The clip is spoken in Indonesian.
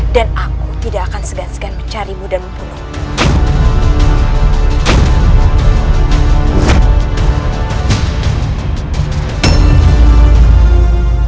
dan aku tidak akan segan segan mencarimu dan membunuhmu